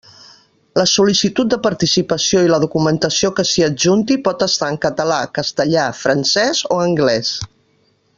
La sol·licitud de participació i la documentació que s'hi adjunti pot estar en català, castellà, francès o anglès.